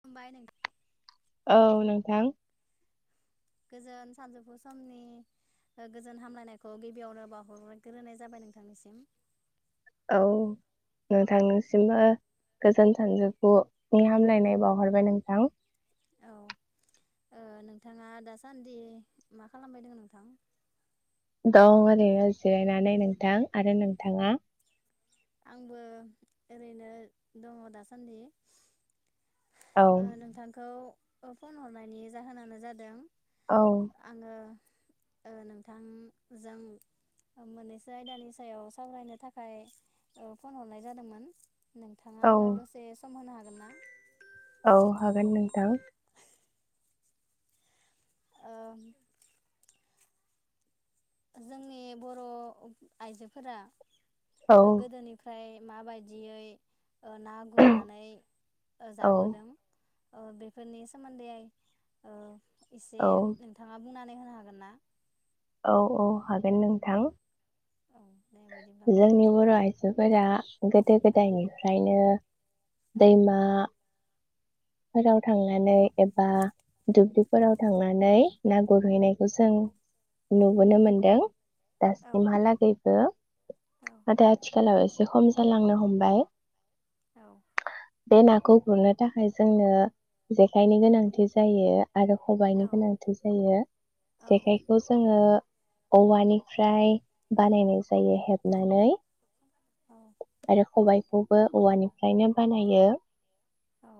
खुलुमबाय नों औ नोंथां। गोजोन सानजौफु समनि गोजोन हामलायनायखौ गिबियावनो बावहरग्रोनाय जाबाय नोंथांनिसिम। औ नोंथांनिसिमबो गोजोन सानजौ फुनि हामलायनाय बावहरबाय नों औ औ नोंथाङा दासान्दि मा खालामबाय दं नोंथां? दं ओरैनो जिरायनानै नोंथां आरो नोंथाङा? आंबो ओरैनो दङ दासान्दि। औ ओ नोंथांखौ फन हरनायनि जाहोनानो जादों। औ आङो ओ नोंथांजों मोननैसो आयदानि सायाव सावरायनो थाखाय औ फन हरनाय जादोंमोन नोंथाङा औ आंनो दसे सम होनो हागोन [unintelligible] औ हागोन नोंथां। ओं। जोंनि बर' आइजोफोरा औ ओ गोदोनिफ्राय माबायदियै ओ ना गुरनानै ओ औ जाबोदों। ओ बेफोरनि सोमोन्दै ओ एसे औ नोंथाङा बुंना होनो हागोन ना? औ औ हागोन नोंथां। औ दे बिदिब्ला बुंलाय जोंनि बर' आइजो अबा गोदो औ गोदायनिफ्रायनो औ दैमा फोराव थांनानै एबा दुब्लिफोराव थांनानै ना गुरहैनायखौ जों नुबोनो मोनदों। औ दासिमहालागैबो औ नाथाय आथिखालाव इस एसे खम जालांनो हमबाय औ बे नाखौ गुरनो थाखाय जोंनो जेखाइनि गोनांथि जायो आरो खबाइनि औ गोनांथि जायो औ जेखाइखौ औवानिफ्राय बानायनाय जायो हेबनानै औ आरो खबायाइ खौबो औवानिफ्रायनो बानायो औ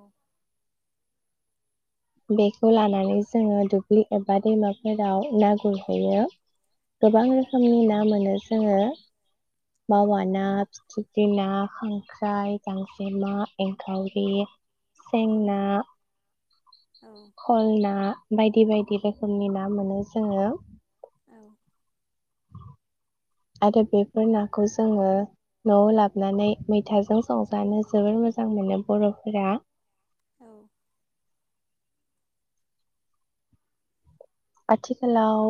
बेखौ लानानै जोङो दुब्लि एबा दैमाफोराव ना गुरहैयो गोबां रोखोमनि ना मोनो जोङो औ मावा ना जोगोना खांख्राइ गांसेमा एंखावरि सेंना औ खल ना बायदि बायदि रोखोमनि ना मोनो जोङो आरो बेफोर नाखौ जोङो न'आव लाबानै मैथाजों संजानो जोबोर मोजां मोनो बर'फोरा औ आथिखालाव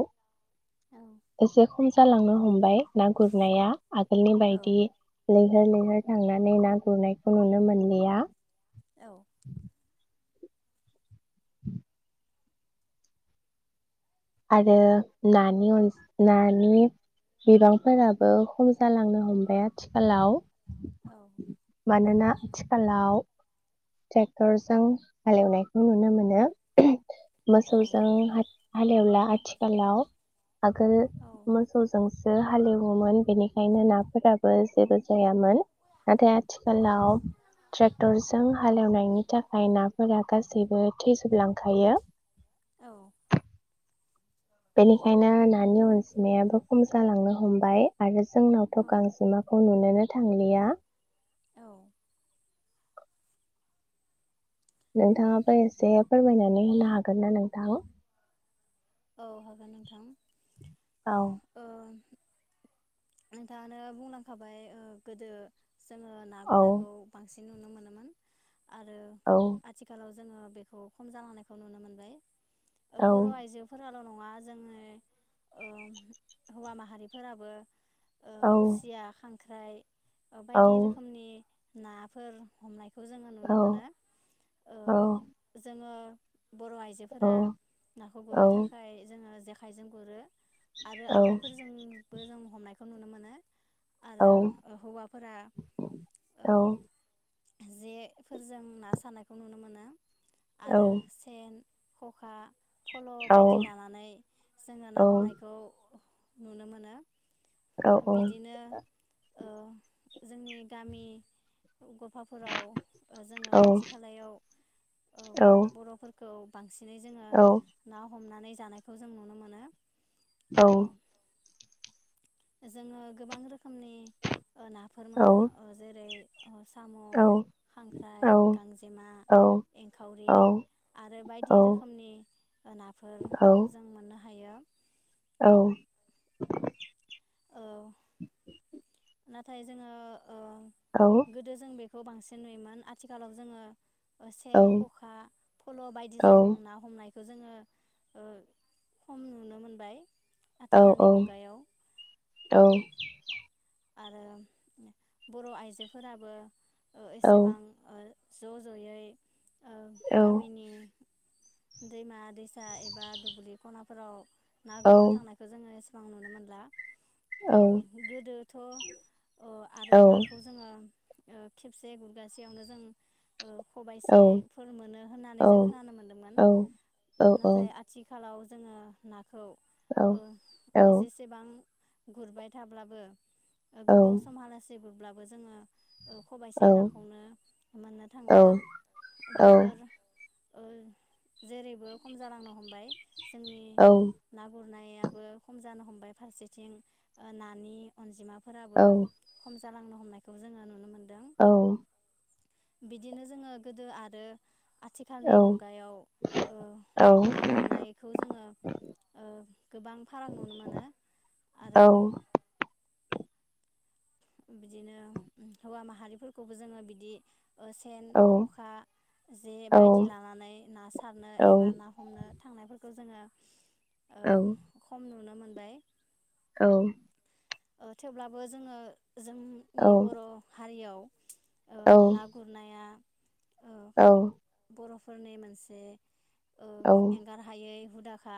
एसे खम जालांनो मुम्बाइ ना गुरनाया आगोलनि औ बायदि लैहोर लैहोर थांनानै ना गुरनायखौ नुनो मोनलिया औ [inaudible] आरो नानि अन नानि बिबांफोराबो खम जालांनो हमबाय आथिखालाव औ मानोना आथिखालाव ट्रेक्टरजों हालेवनायखौ नुनो मोनो मोसौजों हालेला आथिगाल आगोल औ मोसौजोंसो हालेवोमोन बेनिखायनो नाफोराबो जेबो जायामोन नाथाय आथिखालाव ट्रेक्टरजों हालेवनायनि थाखाय नाफोरा गासैबो थैजोबलांखायो औ बेनिखायनो नानि अनजिमायाबो खम जालांनो हमबाय आरो जोंनावथ' गांजिमाखौ नुोनो थांलिया औ नोंथाङाबो एसे फोरमायनानै होनो हागोन ना नोंथां औ हागोन नोंथां औ ओ नोंथाङानो बुंलांखाबाय ओ गोदो जोङो ना औ गुरनायखौ बांसिन नुनो मोनोमोन आरो औ आथिखालाव जोङो बेखौ खम जालांनायखौ नुनो मोनबाय ओ औ बर' आइजो खाल' नङा जोंनि ओ हौवा माहारिफोराबो औ खुसिया खां ख्राय बायदि रोखोमनि नाफोर हमनाय खौ जोङो नुनो मोनो ओ जोङो [inaudible] बर' आइजोफोरा नाखौ गुरनो थाखाय जोङो जेखाइजों गुरो आरो आखाइफोरजों बो जों हमनायखौ नुनो मोनो। आरो हौवाफोरा ओ जेफोरजों ना सारानायखौ नुनो मोनो। आरो सेन खखा फल' बायदि लानानै जोङो ना हमनायखौ नुनो मोनो बिदिनो ओ जोंनि गामि गफाफोराव ओ जोङो खाथि खालायाव ओ बर'फोरखौ बांसि नै जोङो ना हमनानै जानायखौ जों नुनो मोनो। औ जोंङो गोबां रोखोमनि ओ नाफोर मोनो औ ओ जेरै साम, ' खांख्राइ, गांजेमा, एंखावरि आरो बायदि रोखोमनि नाफोर जों मोननो हा हायो औ औ नाथाय जोंङो ओ गोदो जों बे खौ बांसिन नुयोमोन आथिखालाव जोंङो ओ सेन, खखा, फल' बायदिजों ना हमनाय बेखौ जोंङो ओ खम नुनो मोनबाय। औ आथिखालनि औ मुगायाव औ आरो बर' आइजोफोराबो ओ एसेबां ओ ज' ज'यै ओ गामिनि दैमा दैसा एबा दुब्लि खनाफोराव ना गुरनो थांनायखौ जोंङो एसे गोबां नुनो मोनला। ओ गोदो थ' ओ आरो नाखौ जोंङो ओ खेबसे गुरगासेयावनो जों ओ खबाइसे फोर मोनो होननानै जों खोनानो मोन्दोंमोन नाथाय आथिखालाव जोङो ना खौ ओ एसेसेबां गुरबाय थाब्लाबो ओ गोबाव समहालासिम गुरब्ला बो जोंङो ओ खबाइसे नाखौनो मोननो थांला बेफोर ओ जेरैबो खम जालांनो हमबाय। जोंनि ना गुर नायाबो खम जानो हमबाय फारसेथिं ओ नानि अनजिमा फोराबो खम जालांनो हमनायखौ जोङो नुनो मोनदों। औ बिदिनो जोङो गोदो आरो आथिखालनि मुगायाव ओ औ ना गुरनायखौ जोङो ओ गोबां फाराग नुनो मोनो। आरो बिदिनो हौवा माहारिफोरखौबो जोङो बिदि, सेन औ खखा जे औ बायदि लानानै ना सारनो एबा ना हमनो थांनायफोरखौ जोङो ओ खम नुनो मो मोनबाय। औ ओ थेवब्लाबो जोङो जोंनि बर' हारियाव ओ ना गुरनाया ओ औ बर'फोरनि मोनसे ओ एंगार हायै हुदा खा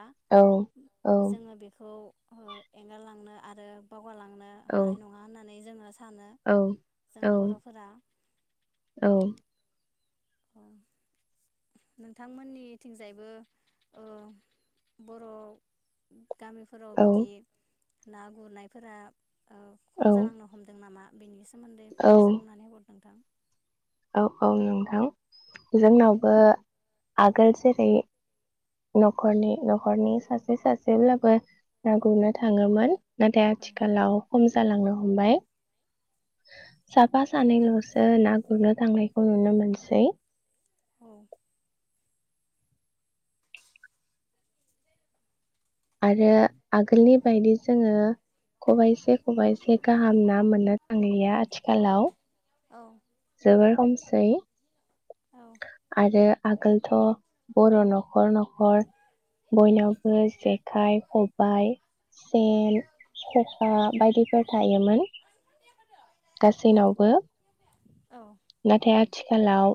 जोङो बेखौ ओ एंगारलांनो आरो बावगारलांनो हानाय नङा होननानै जोंङो औ औ [inaudible] औ। औ। नोंथांमोननि थिंजायबो ओ बर' गामिफोराव बिदि ना गुरनायफोरा ओ औ खम जालांनो हमदों नामा? बेनि सो सोमोन्दै फननोसो बुंनानै हर नोंथां औ औ नोंथां जोंनावबो औ आगोल जेरै नखरनि नखरनि सासे सासेब्लाबो ना गुरनो थाङोमोन। नाथाय औ आथिखालाव खम जालांनो हमबाय। साफा सानै औ लसो ना गुरनो थांनायखौ नुनो मोनसै। औ आरो आगोलनि बायदि जोङो खबाइसे खबाइसे गाहाम ना मोननो थांलिया आथिखालाव औ जोबार खमसै औ आरो आगोलथ' बर' न'खर न'खर बयनावबो जेखाइ खबायाइ सेन खखा बायदिफोर थायोमोन गासैनावबो औ नाथाय आथिखालाव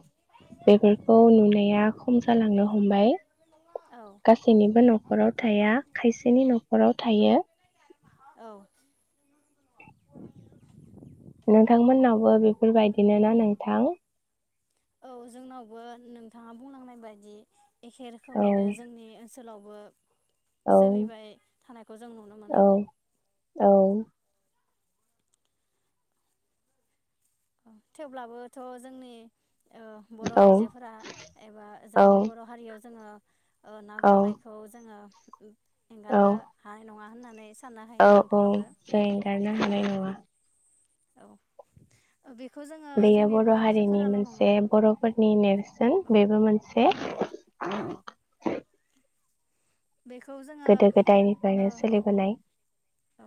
बेफोरखौ नुनाया खम जालांनो हमबाय। औ गासैनिबो न'खराव थाया खायसेनि न'खराव थायो। औ नोंथांमोननावबो बेफोरबायदिन ना नोंथां? औ जोंनावबो नोंथाङा बुंलांनाय बायदि एखे रोखोमैनो जोंनि ओनसोल सोलावबो औ सोलिबाय थानायखौ जों नुनो मोनो। औ औ औ थेवब्लाबोथ' जोंनि ओ बर' औ आइजोफोरा एबा जोंनि बर' हारियाव जोङो ओ ना औ गुरनायखौ जोङो [inaudible] एंगारनो हानाय नङा होनना नै औ औ जों एंगारनो हानाय नङा औ बेखौ जोङो बेयो जोंनि बर' हारिनि आइजोफोराल' मोनसे नङा बर'फोरनि नेरसोन औ बेबो मोनसे औ औ बेखौ जोङो गोदो ओ गोदायनिफ्रायनो सोलिबोनाय औ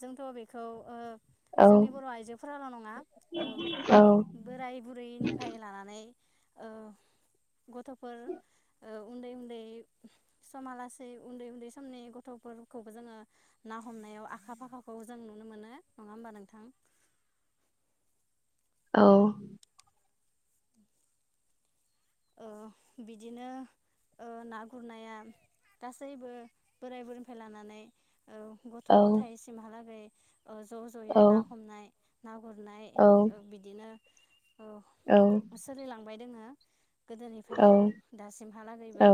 जोंथ' बेखौ ओ औ जोंनि बर' आइजोफोराल' नङा ओ औ बोराय बुरैनिफ्राय लानानै ओ गथ'फोर ओ उन्दै उन्दै समालासेै उन्दै उन्दै समनि गथ'फोरखौबो जोङो ना हमनायाव आखा फाखाखौ जों नुनो मोनो नङा होमबा नोंथां? औ ओ बिदिनो ओ ना गुरनाया गासैबो बोराय बुरैनिफ्राय लानानै औ गथ' गथाय एसिमहालागै ओ ज' औ ज'यै ना हमनाय ना गुरनाय औ ओ बिदिनो औ सोलिलांबाय जोंहा औ गोदोनिफ्रायनो दासिमहालागैबो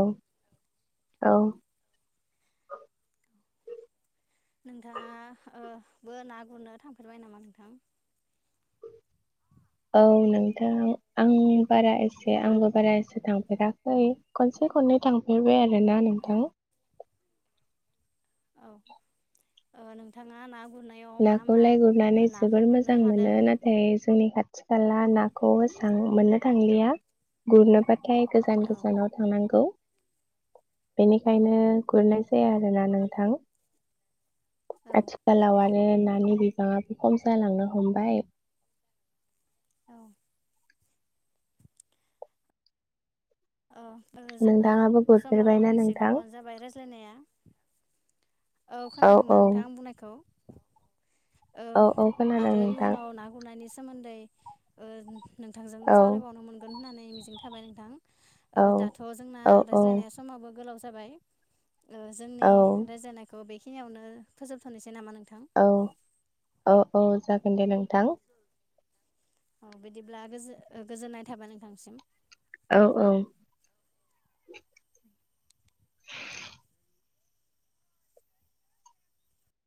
[inaudible] नोंथांङा ओ बो ना गुरनो थांफेरबाय नामा नोंथां? औ नोंथां आं बारा एसे आंबो बारा एसे थांफेराखै खनसे खननै थांफेरबाय आरो। ना औ नोंथां औ ओ नोंथांङा ना गुरनायाव मा नाखौ मा लाय गुरनानै नाफोर जोबोर मोननो मोजां हादों मोनो नाथाय जोंनि खाथि खाला नाखौ एसां मोननो थांलिया गुरनो बा से गोजान औ गोजानाव थांनांगौ। [inaudible] औ बेनिखायनो गुरनाय ए‌ आरोना नोंथां औ आथिखालाव बे नानि बिबांङा खम जालांनो हमबाय। औ औ ओ जोंना नोंथाङाबो समाबो गुरफेरबायना एसे नोंथां गोबावानो जाबाय रायज्लायनाया औ खोनादोंना नोंथांं आं बुंनायखौ ओ औ औ खोनादों आरो नोंथां इयुनाव ना गुरनानै सोमोन्दै ओ नोंथांजों औ सावरायबावनो मोनगोन होननानै। मिजिं थाबाय नोंथां ओ औ दाथ' जोंना औ रायज्लायनाय समावबो गोलाव जाबाय ओ जोंनि औ रायज्लानायखौ बे बेिखिनियावनो फोबथनोसै नामा नों थां औ औ औ जागोन दे नोंथां औ बिदिब्ला गोजो-गोजोननाय थाबाय नोंथांसिम। औ औ